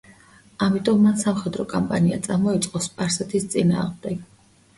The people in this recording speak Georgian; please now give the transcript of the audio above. ამიტომ მან სამხედრო კამპანია წამოიწყო სპარსეთის წინააღმდეგ.